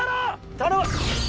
頼む。